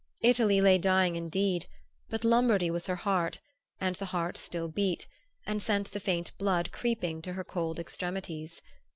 Italy lay dying indeed; but Lombardy was her heart, and the heart still beat, and sent the faint blood creeping to her cold extremities.